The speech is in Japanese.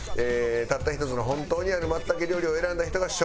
たった１つの本当にある松茸料理を選んだ人が勝利。